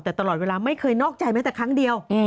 แต่ตลอดเวลาไม่เคยนอกใจแม้แต่ครั้งเดียว